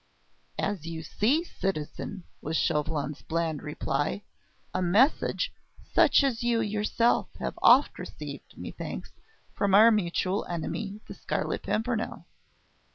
"As you see, citizen," was Chauvelin's bland reply. "A message, such as you yourself have oft received, methinks, from our mutual enemy, the Scarlet Pimpernel."